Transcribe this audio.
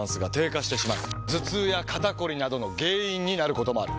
頭痛や肩こりなどの原因になることもある。